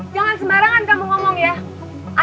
jangan sembarangan kamu ngomong ya